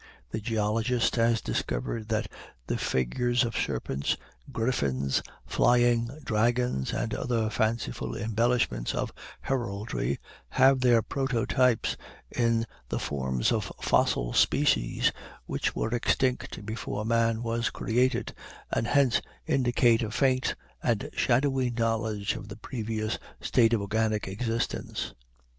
The geologist has discovered that the figures of serpents, griffins, flying dragons, and other fanciful embellishments of heraldry, have their prototypes in the forms of fossil species which were extinct before man was created, and hence "indicate a faint and shadowy knowledge of a previous state of organic existence."